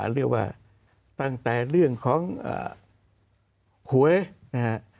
เรียกว่าตั้งแต่เรื่องของหวยนะฮะ